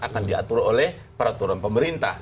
akan diatur oleh peraturan pemerintah